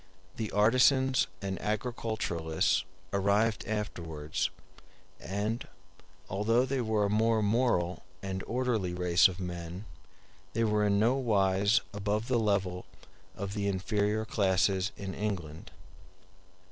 The artisans and agriculturists arrived afterwards; and, although they were a more moral and orderly race of men, they were in nowise above the level of the inferior classes in England.